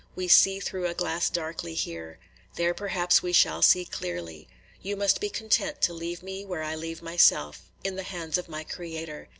We see through a glass darkly here. There perhaps we shall see clearly. You must be content to leave me where I leave myself, – in the hands of my Creator.